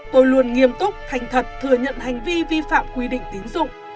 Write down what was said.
tôi luôn nghiêm túc thành thật thừa nhận hành vi vi phạm quy định tín dụng